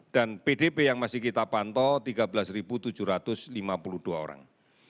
dan pdp yang masih kita pantau tiga belas tujuh ratus lima puluh dua orang